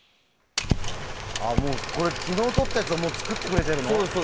これ、昨日撮ったやつを作ってくれてるの？